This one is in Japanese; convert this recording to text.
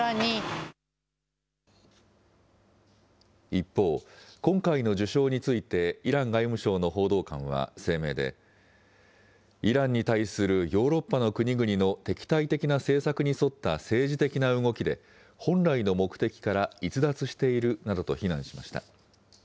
一方、今回の受賞についてイラン外務省の報道官は声明で、イランに対するヨーロッパの国々の敵対的な政策に沿った政治的な動きで、本来の目的から逸脱しているなどと非難しました。